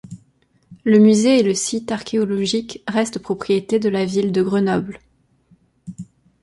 Le musée et le site archéologique restent propriété de la Ville de Grenoble.